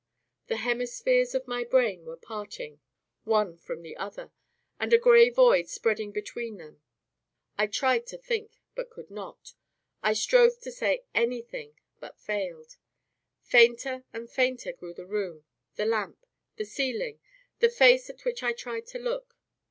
The hemispheres of my brain were parting one from the other, and a grey void spreading between them. I tried to think, but could not. I strove to say anything, but failed. Fainter and fainter grew the room, the lamp, the ceiling, the face at which I tried to look.